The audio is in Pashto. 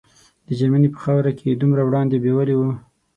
د جرمني په خاوره کې یې دومره وړاندې بیولي وو.